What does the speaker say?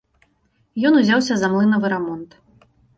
Ён узяўся за млынавы рамонт.